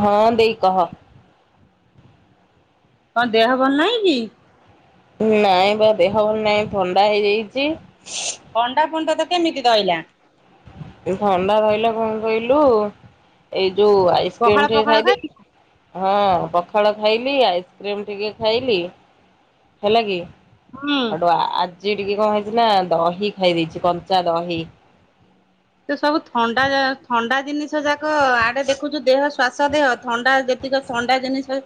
ହଁ ଦେଇ କହ। କଣ ଦେହ ଭଲ ନାହିଁ କି? ନାଇଁ ବା ଦେହ ଭଲ ନାଇଁ ଥଣ୍ଡା ହେଇଯାଇଛି। ଥଣ୍ଡା ଫଣ୍ଡା ତ କେମିତି ଧଇଲା। ଥଣ୍ଡା ରହିଲା କଣ କହିଲୁ ଏଇ ଯୋଉ ଆଇସ୍କ୍ରିମି ପଖାଳ ଟିକେ ପଖାଳ ଖାଇଲି ଖାଇ ହଁ। ଫଳ ଖାଇଲି ଆଇସ୍କ୍ରିମ୍ ଟିକେ ଖାଇଲି ହେଲା କି। ହୁଁ ଆଠୁ ଆଜି ଟିକେ କଣ ହେଇଛି ନା ଦହି ଖାଇ ଦେଇେଇଛି କଞ୍ଚା ଦହି। ତ ସବୁ ଥଣ୍ଡା ଥଣ୍ଡା ଜିନିଷ ଯାକ ଆଡେ ଦେଖୁଛୁ ଦେହ ସ୍ୱାସ ଦେହ ଥଣ୍ଡା ଯେତିକ ଥଣ୍ଡା ଜିନିଷ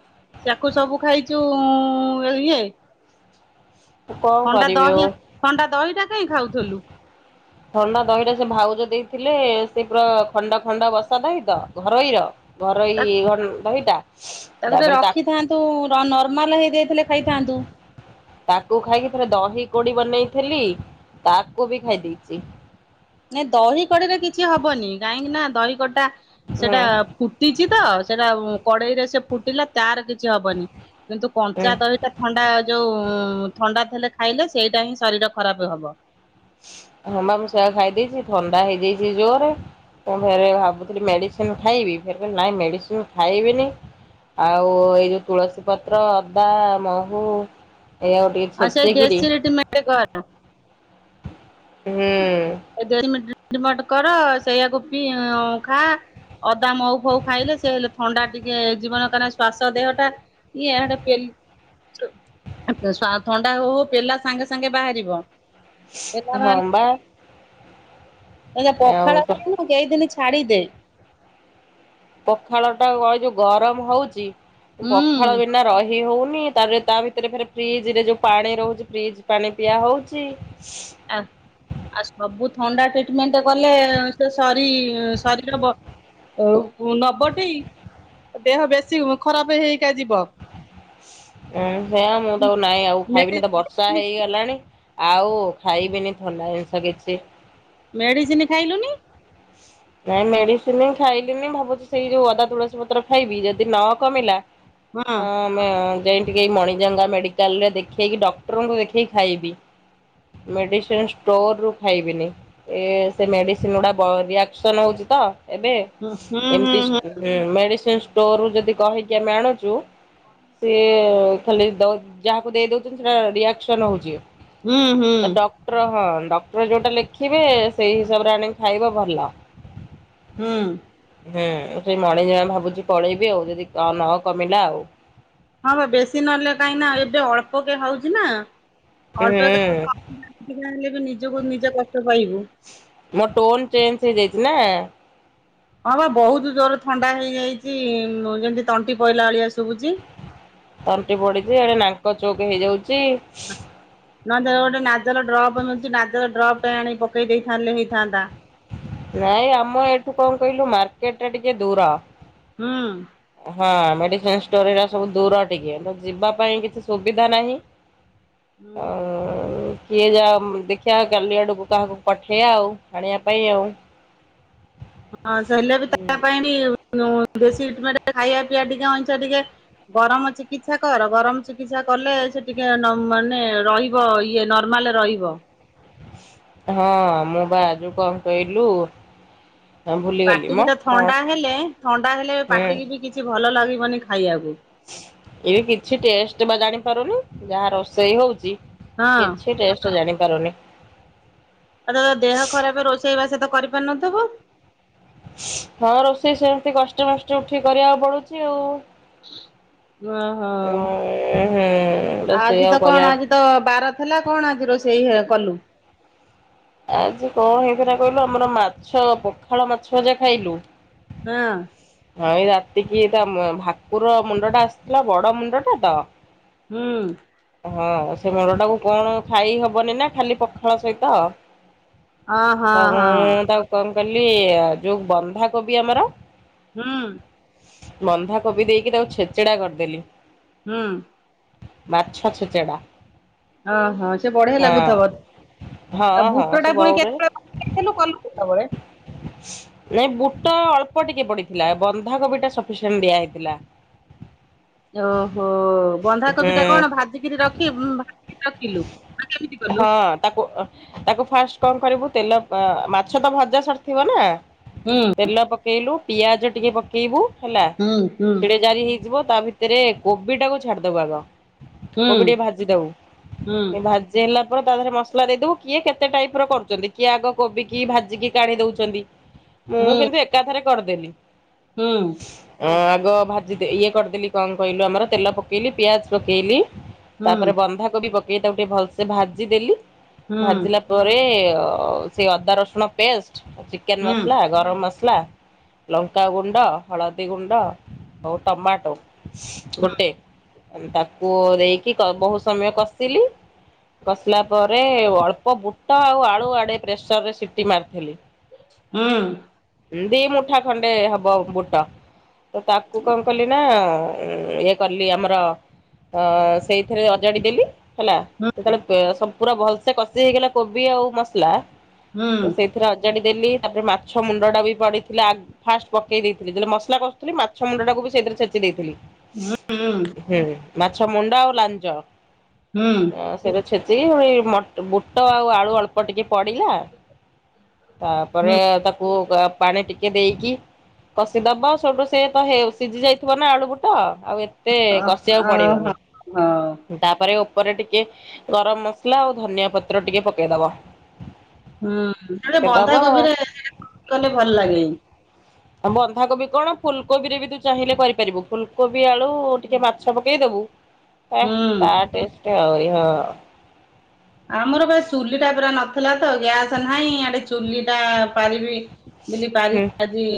ସେଆକୁ ସବୁ ଖାଇଛୁ ଇ ଏ। କଣ ଥଣ୍ଡା କରିବି ଦହି ଆଉ ଥଣ୍ଡା ଦହି ଟା କାହିଁ ଖାଉଥିଲୁ। ଥଣ୍ଡା ଦହିଟା ସେ ଭାଉଜ ଦେଇଥିଲେ ସେ ପୁରା ଖଣ୍ଡ ଖଣ୍ଡ ବସା ଦହି ତ ଘରୋଇ ର। ଘରୋଇ ତାକୁ ଘ ରହିଟା ତାକୁ ଟିକେ ତାପରେ ତାକୁ ରଖିଥାନ୍ତୁ ନର୍ମାଲ ହେଇଯାଇଥିଲେ ଖାଇଥାନ୍ତୁ। ତାକୁ ଖାଇକି ପରେ ଦହି। କୋଡି ବନେଇଥିଲି ତାକୁ ବି ଖାଇ ଦେଇଛି। ନାଇଁ ଦହି କଡିରେ କିଛି ହବନି କାହିଁକି ନା ଦହି କଡିଟା ହୁଁ ସେଟା ଫୁଟିଛି ତ ସେଟା କଡେଇରେ ସେ ଫୁଟିଲା ତାର କିଛି ହବନି। କିନ୍ତୁ ହୁଁ କଞ୍ଚା ଦହି ଟା ଥଣ୍ଡା ଯୋଉ ଥଣ୍ଡା ଥିଲେ ଖାଇଲେ ସେଇଟା ହିଁ ଶରୀର ଖରାପ ହବ ହଁ ମ ସେଇଆ ଖାଇଦେଇଛି ଥଣ୍ଡା ହେଇ ଯାଇଛି ଜୋରେ। ମୁଁ ଫେରେ ଭାବୁଥିଲି ମେଡ଼ିସିନ ଖାଇବି ଫେରେ କହିଲି ନାଇଁ ମେଡ଼ିସିନ ଖାଇବିନି। ଆଉ ଏଇ ଯୋଉ ତୁଳସୀ ପତ୍ର, ଅଦା, ମହୁ ଏଇଆକୁ ଟିକେ ଆଉ ସେଇ ଛେଚିକିରି ଦେଶୀ ରିଟମେଣ୍ଟ କର ହୁଁ। ମଟ କର ସେଇଆକୁ ପି ଖା ଅଦା, ମହୁ ଫଉ ଖାଇଲେ ସେ ହେଲେ ଥଣ୍ଡା ଟିକେ ଜୀବନ କା ଶ୍ୱାସ ଦେହଟା ଇଆଡ଼େ ପେଲି ଥଣ୍ଡା ହଉ ହଉ ପେଲା ସାଙ୍ଗେ ସାଙ୍ଗେ ବାହାରିବ। ପେଲା ହଁ ବାହାରିଲେ ବା। ଏ ଆଉ ପଖାଳ ଖାଉନୁ କେଇ ଦିନ ଛାଡିଦେ। ପଖାଳ ଟା ଯୋଉ ଗରମ ହଉଛି ହୁଁ ପଖାଳ ବିନା ରହି ହଉ ତାପରେ ତା ଭିତରେ ଫ୍ରିଜ ରେ ଯୋଉ ପାଣି ରହୁଛି ଫ୍ରିଜ ପାଣି ପିଆ ହଉଛି। ଆ ଆ ସବୁ ଥଣ୍ଡା ସେ ଟ୍ରିଟମେଣ୍ଟ କଲେ ସେ ଶରୀ ଶରୀର ବ ନବଟି? ଦେହ ବେଶୀ ଖରାପ ହେଇ ହେଇକା ଯିବ। ଉଁ ସେଇଆ ମୁଁ ତାକୁ ନାଇଁ ଆଉ ମେଡି ଖାଇବିନି ତ ବର୍ଷା ହେଇଗଲାଣି। ଆଉ ଖାଇବିନି ଥଣ୍ଡା ଜିନିଷ କିଛି। ମେଡିସିନ ଖାଇଲୁନି? ନାଇଁ ମେଡିସିନ ଖାଇଲିନି ଭାବୁଛି ସେଇ ଯୋଉ ଅଦା ତୁଳସୀ ପତ୍ର ଖାଇବି, ଯଦି ନ କମିଲା ହଁ ମ ଯାଇ ଟିକେ ମଣିଜାଙ୍ଗା ମେଡିକାଲ ରେ ଦେଖେଇକି ଡକ୍ଟରଙ୍କୁ ଦେଖେଇକି ଖାଇବି। ମେଡିସିନ ଷ୍ଟୋର ରୁ ଖାଇବିନି ଏ ସେ ମେଡିସିନ ଗୁଡା ବ ରିଆକ୍ଟ ଋଆକ୍ସନ ହଉଛି ତ ଏବେ ହୁଁ ହୁଁ ଏମିତି ହୁଁ ମେଡିସିନ ଷ୍ଟୋ ଷ୍ଟୋର ରୁ ଯଦି କହିକି ଆମେ ଆଣୁଛୁ ସିଏ ଖାଲି ଦଉ ଯାହାକୁ ଦେଇ ଦଉଛନ୍ତି ସେଟା ରିଆକ୍ସନ ହଉଛି। ହୁଁ ହୁଁ ତ ଡକ୍ଟର ହନ ଡକ୍ଟର ଯୋଉଟା ଲେଖିବେ ସେଇ ହିସାବରେ ଆଣିକି ଖାଇବ ଭଲ। ହୁଁ। ହୁଁ ସେଇ ମଣିଜମା ଭାବୁଛି ପଳେଇବି ଆଉ ଯଦି ନ କମିଲା ଆଉ। ହଁ ବା ବେଶୀ ନହେଲେ କାହିଁକି ନା ଏବେ ଅଳ୍ପ କେ ହଉଛି ନା। ହୁଁ ଅଳ୍ପକେ [inaudible] ବି ନିଜକୁ ନିଜେ କଷ୍ଟ ପାଇବୁ। ମୋ ଟୋନ୍ ଚେଞ୍ଜ ହେଇଯାଇଛି ନା? ହଁ ବା ବହୁତ ଜୋର ଥଣ୍ଡା ହେଇଯାଇଛି, ଯେମିତି ତଣ୍ଟି ପଇଲା ଭଳିଆ ଶୁ ତଣ୍ଟି ପଡିଛି, ଏଣେ ନାଙ୍କ ଚୌକ ହେଇଯାଉଛି। ନହେଲେ ଗୋଟେ ନାଜଲ ଡ୍ରପ ମିଳୁଛି ନାଜଲ ଡ୍ରପ୍ ଟେ ଆଣି ପକେଇ ଦେଇଥାନ୍ତେ ହେଇଥାନ୍ତା। ନାଇଁ ଆମ ଏଇଠୁ କଣ କହିଲୁ ମାର୍କେଟ ଟା ଟିକେ ଦୂର। ହୁଁ। ହଁ ମେଡିସିନ ଷ୍ଟୋର ଏରା ସବୁ ଦୂର ଟିକେ, ଯିବା ପାଇଁ କିଛି ସୁବିଧା ନାହିଁ। ହୁଁ। ଆଉ କିଏ ଯାଉ ଦେଖିବା କାଲି ଆଡ଼କୁ କାହାକୁ ପଠେଇବା ଆଉ ଆଣିବା ପାଇଁ ଆଉ। ହଁ ହେଲେ ବି ହୁଁ ତା ପାଇଁ ବି ଦେଶୀ ଟିଟମେଟ ଖାଇବା ପିଇବା ଟିକେ ଅଇଛା ଟିକେ ଗରମ ଚିକିତ୍ସା କର ଗରମ ଚିକିତ୍ସା କଲେ ସେ ଟିକେ ମାନେ ରହିବ ଇଏ ନର୍ମା ହେଲେ ରହିବ। ହଁ ମୁଁ ବା ଆଜି କଣ କହିଲୁ ଭୁଲିଗଲି ମ ପାଟିକି ତ କଣ ଥଣ୍ଡା ହେଲେ, ଥଣ୍ଡା ହେଲେ, ପାଟିକି ବି କିଛି ଭଲ ଲାଗିବନି ଖାଇବାକୁ। ଏବେ କିଛି ଟେଷ୍ଟ ବା ଜାଣିପାରୁନି, ଯାହା ରୋଷେଇ ହଉଛି ହଁ କିଛି ଟେଷ୍ଟ ତ ଜାଣିପାରୁନି। ଆଉ ତ ଦେହ ଖରାପ ରୋଷେଇବାସ ତ କରିପାରୁନଥିବୁ। ହଁ ରୋଷେଇ ସେମିତି କଷ୍ଟମଷ୍ଟେ ଉଠିକି କରିବାକୁ ପଡୁଛି ଆଉ। ଓ ହୋ। ହୁଁ ରୋଷେଇ ଆଜି ଆଉ ତ କରିବା କଣ ଆଜି ତ ବାର ଥିଲା କଣ ଆଜି ରୋଷେଇ କଲୁ? ଆଜି କଣ ହେଇଥିଲା କହିଲୁ ଆମର ମାଛ ପଖାଳ ମାଛ ଆ ଯା ଖାଇଲୁ। ହଁ ହଁ ଏଇ ରାତିକି ଏଇଟା ମ ଭାକୁର ମୁଣ୍ଡ ଟା ଆସିଥିଲା ବଡ ମୁଣ୍ଡ ଟା ତ। ହୁଁ। ହଁ ସେ ମୁଣ୍ଡ ଟାକୁ କଣ ଖାଇ ହବନି ନା ଖାଲି ପଖାଳ ସହିତ। ହଁ ହଁ ତ ହଁ ମୁଁ ତାକୁ କଣ କଲି ଆ ଯୋଉ ବନ୍ଧାକୋବି ଆମର। ହୁଁ। ବନ୍ଧାକୋବି ଦେଇକି ତାକୁ ଛେଚେଡା କରିଦେଲି। ହୁଁ। ମାଛ ଚେଚେଡା। ଓହୋ ସେ ବଢିଆ ଲାଗୁଥବ। ହଁ ହଁ ବୁଟ ସେ ଟା ପୁଣି ବଉରେ କେତେବେଳେ ପକେଇଦେଲୁ କଲୁ କେତେବେଳେ? ନାଇଁ ବୁଟ ଅଳ୍ପ ଟିକେ ପଡିଥିଲା ବନ୍ଧାକୋବି ଟା ସଫିସିଏଣ୍ଟ ଦିଆ ହେଇଥିଲା। ଓହୋ ବନ୍ଧାକୋବି ଟା କଣ ହୁଁ ଭାଜିକିରି ରଖି ଉଁ ଭାଜିକି ରଖିଲୁ ନା କେମିତି କଲୁ? ହଁ ତାକୁ ଅ ତାକୁ ଫାର୍ଷ୍ଟ କଣ କରିବୁ ତେଲ। ପା ମାଛ ତ ଭଜା ସରିଥିବ ନା ହୁଁ ତେଲ ପକେଇଲୁ। ପିଆଜ ଟିକେ ପକେଇବୁ ହେଲା ହୁଁ ହୁଁ ସେଇଟେ ଜାରି ହେଇଯିବ। ତା ଭିତରେ କୋବି ଟାକୁୁ ଛାଡିଦବୁ ଆଗ। କୋବି ଟିକେ ହୁଁ ଭାଜି ଦବୁ, ଭାଜି ହେଲା ତା ଦେହରେ ମସଲା ଦେଇଦବୁ, କିଏ କେତେ ଟାଇପ ର କରୁଛନ୍ତି କିଏ ଆଗ କୋବି କି ଭାଜିିକି କାଢି ଦଉଛନ୍ତି ମୁଁ ହୁଁ କିନ୍ତୁ ଏକାଥରେ କରିଦେଲି। ହୁଁ। ଗ ଭାଜିଦେ ଇଏ କରିଦେଲି କଣ କହିଲୁ ଆମର ତେଲ ପକେଇଲି ପିଆଜ ପକେଇଲି। ହୁଁ ତାପରେ ବନ୍ଧାକୋବି ପକେଇ ତାକୁ ଟିକେ ଭଲସେ ଭାଜିଦେଲି ହୁଁ ଭାଜିଲା ପରେ ଆ ସେ ଅଦା ରସୁଣ ପେଷ୍ଟ ଚିକେନ ହୁଁ ମସଲା ଗରମ ମସଲା ଲଙ୍କାଗୁଣ୍ଡ, ହଳଦୀ ଗୁଣ୍ଡ ଆଉ ଟମାଟୋ। ଗୋଟେ ଅମ ତାକୁ ଦେଇକି କ ବହୁତ ସମୟ କଷିଲି। କଷିଲା ପରେ ଓ ଅଳ୍ପ ବୁଟ ଆଉ ଆଳୁ ଆଡେ ପ୍ରେସର ରେ ସିଟି ମାରିଥିଲି। ହୁଁ। ଦି ମୁଠା ଖଣ୍ଡେ ହବ ବୁଟ ତ ତାକୁ କଣ କଲି ନା। ଅ ଇଏ କଲି ଆମର ଅ ସେଇଥିରେ ଅଜାଡି ଦେଲି। ହେଲା ଯେତେବେଳେ ପ ପୁରା ଭଲସେ କଷି ହେଇଗଲା କୋବି ଆଉ ମସଲା। ହୁଁ ତ ହୁଁ ସେଇଥିରେ ଅଜାଡି ଦେଲି ତାପରେ ମାଛ ମୁଣ୍ଡ ଟା ବି। ପଡ଼ିଥିଲା ଆ ଫାଷ୍ଟ ପକେଇ ଦେଇଥିଲି ଯେତେବେଳେ ମସଲା କସୁଥିଲି ମାଛ ମୁଣ୍ଡ ଟାକୁ ବି ସେଇଥିରେ ଛେଚି ଦେଇଥିଲି। ହୁଁ ହୁଁ ମାଛ ମୁଣ୍ଡ ଆଉ ଲାଞ୍ଜ ହୁଁ ହଁ ସେଇଟାକୁ ଚେ ଦେଇ ହୁଏ ବୁଟ ଆଉ ଆଳୁ ଅଳ୍ପ ଟିକେ। ପଡ଼ିଲା ହୁଁ ତାପରେ ତାକୁ ଆ ପାଣି ଟିକେ ଦେଇକି କଷିଦବ ସେଠୁ ସେ ତ ସିଝି ଯାଇଥିବ ନା ଆଳୁ ବୁଟ। ଆଉ ଏତେ କଷିବାକୁ ଓହୋ ପଡ଼ିବନି ହଁ ତାପରେ ଓପରେ ଟିକେ ଗରମ ମସଲା ଆଉ ଧନିଆ ପତ୍ର ଟିକେ ପକେଇଦବ। ହୁଁ ସେଟା ପକେଇଦବ ବନ୍ଧାକୋବିରେ କଲେ ଭଲ ଲାଗେ। ଆଉ ବନ୍ଧାକୋବି କଣ ଫୁଲକୋବିରେ ବି ତୁ ଚାହିଁଲେ କରିପାରିବୁ ଫୁଲକୋ ମାଟିଆଳୁ ଟିକେ ମାଛ ପକେଇଦବୁ ହେ ହୁଁ ତାଟେଷ୍ଟ ଆଉ ଇଏ ହବ। ଆମର ପା ଚୁଲି ଟା ପୁରା ନଥିଲା ତ ଗ୍ୟାସ ନାହିଁ ଆଡେ ଚୁଲି ଟା ପାରିବି। ବୋଲି ପାରି ହୁଁ ଆଜି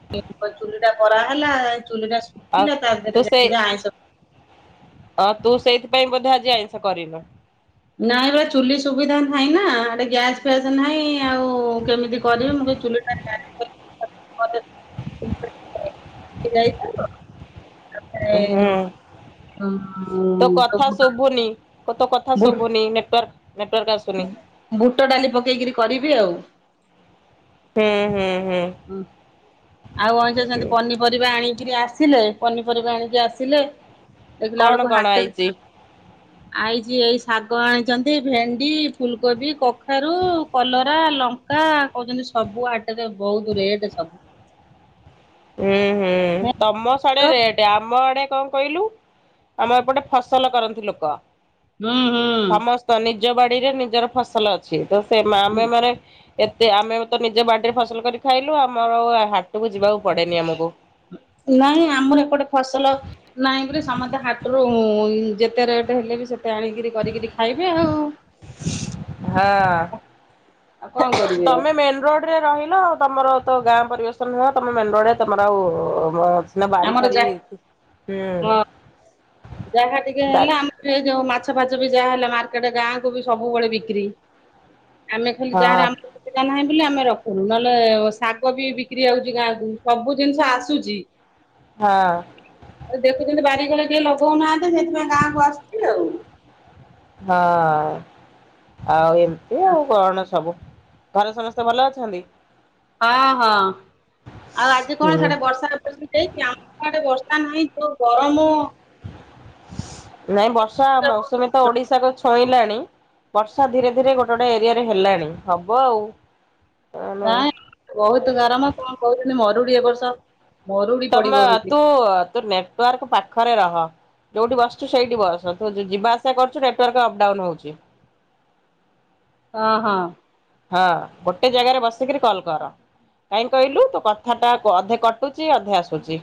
ପ ଚୁଲି ଟା କରାହେଲା ଚୁଲିଟା ଆଉ ଶୁଖିଲା ତା ଦେହରେ ଯାଇକି ଆଇଁଷ ହଁ ତୁ ସେଇଥିପାଇଁ ବୋଧେ ଆଜି ଆଇଁଷ କରିନୁ। ନାଇ ପା ଚୁଲି ସୁବିଧା ନାହିଁ ନା, ଏ ଗ୍ୟାସ ଫ୍ୟାସ ନାହିଁ ଆଉ କେମିତି କରିବି, ମୁଁ ଚୁଲିଟାରେେ [unintelligible] ସେ [unintelligible] ହୁଁ, ତ କଥା ଶୁଭୁନି? କ ତ କଥା ଶୁବୁନି ନେଟୱାର୍ ବୁଟ ଡାଲି ପକେଇକିରି କରିବି ଆଉ ହୁଁ ହୁଁ। ହୁଁ ଆଉ କଣଷ [unintelligible] ସେମତି ପନିପରିବା ଆଣିକିରି ଆସ ଆସିଲେ, ପନିପରିବା ଆଣିକି ଆସିଲେ, ଦେଖିଲା କଣ ବେଳକୁ କଣ ହାଟରେ ଆଇଚି? ଆଇଛି, ଏଇ ଶାଗ ଆଣିଛନ୍ତି, ଭେଣ୍ଡି, ଫୁଲକୋବି, କଖାରୁ, କଲରା ଲଙ୍କା, କହୁଛନ୍ତି ସବୁ ଆଟରେ ବହୁତ ରେଟ ସବୁ ହୁଁ, ହୁଁ, ତମ ସଡେ ରେଟ ଆମ ଆଡେ କଣ କହିଲୁ, ଆମ ଏପଟେ ଫସଲ କରନ୍ତି ଲୋକ ହୁଁ, ହୁଁ, ସମସ୍ତ ନିଜ ବାଡିରେ ନିଜର ଫସଲ ଅଛି, ତ ସେ ହୁଁ ଆମେ ମାନେ ଏତେ ଆମେ ତ ନିଜ ବାଡିରେ ଫସଲ କରି ଖାଇଲୁ, ଆମର ହାଟକୁ ଯିବାକୁ ପଡେନି ଆମକୁ ନାଇଁ, ଆମର ଏପଟେ ଫସଲ ନାହିଁ ବୋଲି ସମସ୍ତେ ହାଟରୁ, ଯେତେ ରେ ହେଲେ ବି ସେତେ ଆଣିକିରି କରିକିରି ଖାଇବେ ଆଉ ହଁ। ଆଉ କଣ କରିବେ ଆଉ ତମେ ମେନ ରୋଡରେ ରହିଲ ଆ, ତମର ତ ଗାଁ ପରିବେଷଣ ନୁହେଁ, ତମ ମେନ୍ ରୋଡ଼ରେ ତମର ଆଉ ନା ବାରି ଆମର ଫାରି, ଯା ହୁଁ ଜାଗା ଟିକେ ଦାରି ହେଲା ଆମର ଏ ଯୋଉ ମାଛ ଚାଛ ଫାଚ ବି ଯାହାହଲା ମାର୍କେଟ ଗାଁକୁ ବି ସବୁବେଳେ ବିକ୍ରି ଆମେ ଖାଲି ଯାହାର, ହଁ ଆମା ନାହିଁ ଆମେ ରଖୁନୁ, ନହେଲେ ଶାଗ ବି ବିକ୍ରି ଯାଉଛି ଗାଁକୁ, ସବୁ ଜିନିଷ ଆସୁଛି ହଁ ଆ ଦେଖୁଛନ୍ତିଛନ୍ତି ବାରିିକରେ ଟିକଏ ଲଗ [unintelligible] ଲଗାଉଁ ନାହାନ୍ତି, ସେଥିପାଇଁ ଗାଁକୁ ଆସୁଛି ଆଉ ହଁ, ଆଉ ଏମିତି ଆଉ କଣ ସବୁ ଘରେ ସମସ୍ତେ ଭଲ ଅଛନ୍ତି? ହଁ, ହଁ, ଆଉ ଆଜି କଣ ହୁଁ ସେଠେ ବର୍ଷା ହେଇଛି ଆମଆଡେ ବର୍ଷା ପା ନହିଁ ଯୋଉ ଗରମ ନାଇଁ ବର୍ଷା ମୌସୁମୀ ତ ଓଡିଶାକୁ ଛୁଇଁଲାଣି। ବର୍ଷା ଧୀରେ ଧୀରେ ଗୋଟେ ଗୋଟେ ଏରିଆ ରେ ହେଲାଣି, ହବ ଆଉ କଣ ନାଇଁ, ବହୁତ ଗରମ କଣ କହୁଛନ୍ତି ମରୁଡି ଏ ବର୍ଷ ମରୁଡି ତମ, ପଡିବ ବୋଲି ତୁ, ତୁ ନେଟୱାର୍କ ପାଖରେ ରହ। ଯୋଉଠି ବସଛୁ ସେଇଠି ବସ, ତୁ ଯିବା ଆସିବା କରୁଛୁ ନେଟୱାର୍କ ଅପଡାଉନ ହଉଛି। ହ ହଁ। ହଁ, ଗୋଟେ ଜାଗାରେ ବସିକିରି କଲ କର। କାହିଁ କହିଲୁ? ତୋ କଥା ଟା ଅଧେ କଟୁଚ ଅଧେ ଆସୁଛି।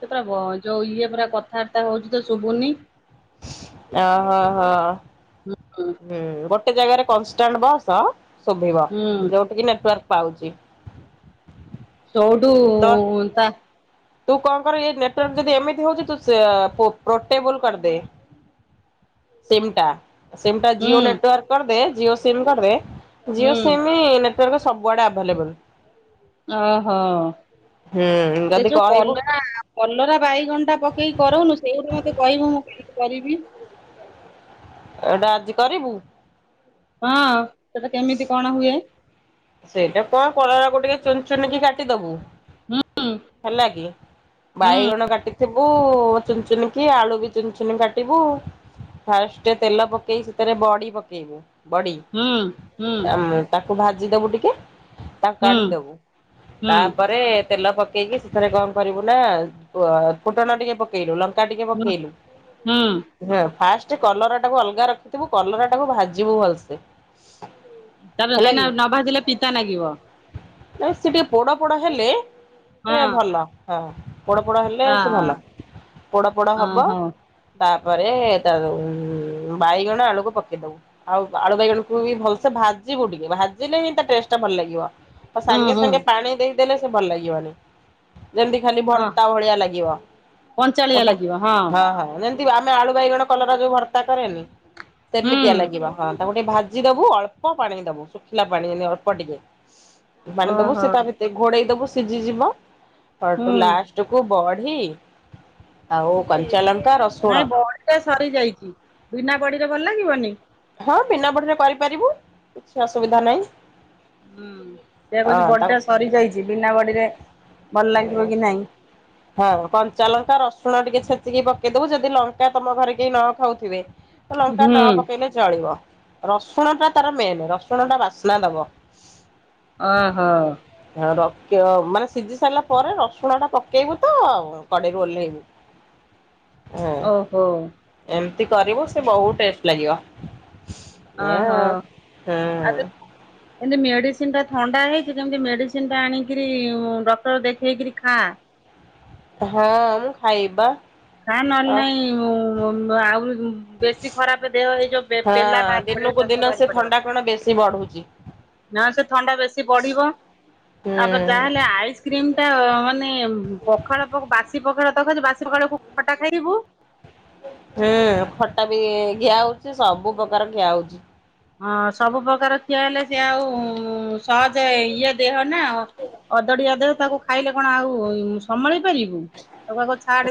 ସେ ପୁରା ଯୋଉ ଇଏ ପୁରା କଥାବାର୍ତ୍ତା ହଉଛି ତ ଶୁଭୁନି। ଅ ହ ହଁ ହଁ ହୁଁ ଗୋଟେ ଜାଗାରେ କନାଣ୍ଟ ବସ୍, ଶୁଭିବ ହୁଁ ଯୋଉଠିକି ନେଟା ପାଉଛି। ସୋଉଟୁ ତ ତା ତୁ କଣ କର ଏ ନେଟୱାର୍ ଯଦି ଏମିତି ହଉଛି, ତୁ ସେ ପ୍ରୋ ପ୍ରୋଟେବୁଲ କରିଦେ। ସିମଟା ସିମ୍ ଟା ଜିଓ ହୁଁ ନେଟୱାର୍କ କରିଦେ ଜିଓ ସିମ୍ କରିଦେ। ହୁଁ ଜିଓ ସିମ୍ ନେଟୱାର୍କ ସବୁଆଡେ ଆଭେଲେବଲ। ଓ ହୋ ହୁଁ ସେ ଯଦି ଯୋଉ କହିବୁ କଲରା କଲରା ବାଇଗଣଟା ପକେଇକି କରଉନୁ ସେଇଗୁ ମତେ କହିବୁ ମୁଁ କେମିତି କରିବି? ଏଇଟା ଆଜି କରିବୁ? ହଁ ସେଇଟା କେମିତି କଣ ହୁଏ? ସେଇଟା କଣ କଲରାକୁ ଟିକେ ଚୁନ ଚୁନକି କାଟିଦବୁ। ହୁଁ ହେଲାକି ହୁଁ ବାଇଗଣ କାଟି ଥିବୁ କୁଁ ଚୁନ ଚୁନକି ଆଳୁ ବି ଚୁନଚୁନ କାଟିବୁ। ଫାଷ୍ଟ ତେଲ ପକେଇ ସେଥିରେ ବଡି ପକେଇବୁ। ବଡି ହୁଁ ହୁଁ ତା ମ୍ ତାକୁ ଭାଜିଦବୁ ଟିକେ ତାକୁ ହୁଁ କାଢିଦବୁ, ହୁଁ ତାପରେ ତେଲ ପକେ ପକେଇକି ସେଥିରେ କଣ କରିବୁ ନାଁ ପୁ ଫୁଟଣ ଟିକେ ପକେଇଲୁ, ଲଙ୍କା ଲଙ୍କା ଟିକେ ହୁଁ ପକେଇଲୁ, ହୁଁ ହଁ ଫାଷ୍ଟ ସେ କଲରାଟାକୁ ଅଲଗା ରଖିଥିବୁ କଲରାଟାକୁ ଭାଜିବୁ ଭଲସେ ତା [unintelligible] ହେଲା କାଇଁନାଁ କି। ନ ଭାଜିଲେ ପିତା ନାଗିବ। ସେ ଟିକେ ପୋଡ ପୋଡ ହେଲେ ହଁ ସେ ଭଲ। ହଁ ପୋଡ ପୋଡ଼ ହେଲେ ହଁ ସେ ଭଲ ପୋଡ ପୋଡ ହବ ଓହୋ ତାପ ତାପରେ ତା ବାଇଗଣ ଆଳୁକୁ ପକେଇ ଦବୁ। ଆଉ ଆଳୁ ବାଇଗଣକୁ ବି ଭଲସେ ଭା ଜିବୁ ଟିକେ ଭାଜିଲେ ହିଁ ତା ଟେଷ୍ଟ ଟା ଭଲ ଲାଗିବ। ଆଉ ହୁଁ ସାଙ୍ଗେ ହୁଁ ସାଙ୍ଗେ ପାଣି ଦେଇଦେଲେ ସେ ଭଲ ଲାଗିବନି। ଯେମତି ଖାଲି ହଁ ଭର୍ତ୍ତା ଭଳିଆ ଲାଗିବ କଞ୍ଚାଳିଆ ଅହଂ ଲାଗିବ ହଁ- ହଁ -ନାଁ [unintelligible] ଆମେ ଆଳୁ ବାଇଗଣ କଲରା ଯୋଉ ଭର୍ତା କରେନି ସେମିତିଆ ହୁଁ ଲାଗିବ ହଁ। ତାକୁ ଟିକେ ଭାଜି ଦବୁ ଅଳ୍ପ ପାଣି ଦବୁ ଶୁଖିଲା ପାଣି ଯେମିତି ଅଳ୍ପ ଟିକେ ପାଣି ଦବୁ ଓହୋ ସେ ତା ଭିତରେ ଘୋଡେଇ ଦବୁ ସିଝି ଯିବ। ହୁଁ ସୋଉଟୁ ଲାଷ୍ଟକୁ ବଢି ଆଉ କଞ୍ଚାଲ ନାଇଁ ବଢି ଟା ସରି ଯାଇଛି, ବିନା ବଢିରେ ଭଲ ଲାଗିବନି? ହଁ ବିନା ବଢିରେ କରିପାରିବୁ କିଛି ଅସୁବିଧା ନାହିଁ। ହୁଁ ସେଇଆ କହୁଛି ହଁ ତାକୁ ବଢିଟା ସରିଯାଇଛି ବିନା ବଢିରେ ଭଲ ଲାଗିବ କି ନାଇଁ? ହଁ କଞ୍ଚାଲଙ୍କା, ରସୁଣ ଟିକେ ଛେଚିକି ପକେଇଦବୁ ଯଦି ଲଙ୍କା ତମ ଘରେ କେହି ନ ଖାଉଥିବେ ଲଙ୍କା ହୁଁ ନ ପକେଇଲେ ଚଳିବ। ରସୁଣ ଟା ତାର ମେନ୍ ରସୁଣଟା ବାସ୍ନା ଦବ। ଓ ହୋ। ର ମାନେ ସିଜି ସାରିଲା ପରେ ରସୁଣଟା ପକେଇବୁ ତ କଡେଇରୁ ଓହ୍ଲେଇବୁ। ହଁ ହୁଁ ଏମିତି କରିବୁ ସେ ବହୁତ ଟେଷ୍ଟ ଲାଗିବ। ଏଇଆ ଓହୋ ଆଉ ହୁଁ। ଏମିତି ମେଡ଼ିସିନଟା ଥଣ୍ଡା ହେଇଛି, ଯେମିତି ମେଡ଼ିସିନ୍ ଟା ଆଣିକିରି ଡକ୍ଟର ଦେଖେଇକି ଖା। ହଁ ହଁ ମୁଁ ଖାଇବି ବା। ଖା ନହେଲେ ନାଇଁ ଆଉରି ବେଶୀ ଖରାପ ଦେହ ହେଇଯିବ। ପେ ପେଲା ବାହାରି ପ ଦିନ କୁ ଦିନ ସେ ଥଣ୍ଡା କଣ ବେଶୀ ବଢ଼ୁ ନାଁ ସେ ଥଣ୍ଡା ବେଶୀ ବଢିବ, ତାପରେ ହୁଁ ଯାହାହେଲେ ଆଇସକ୍ରିମ୍ [unintelligible] ମାନେ ପଖାଳ ଭା ବାସି ପଖାଳଭାତ ଖାଉଚୁ, ବାସି ପଖାଳକୁ ଖଟା ଖାଇବୁ। ହୁଁ ଖଟା ବି ଖିଆ ହଉଛି ସବୁ ପ୍ରକାର ଖିଆ ହଉଛି। ହଁ ସବୁ ପ୍ରକାର ଖିଆ ହେଲେ ସେ ଆଉ ସହଜେ ଇଏ ଦେହ ନାଁ। ଅଦେଢ଼ିଆ ଦେହ ତାକୁ ଖାଇଲେ କଣ ଆଉ ସମ୍ଭାଳି ପାରିବୁ ତାକୁ ଆଗ ଛାଆଡେ।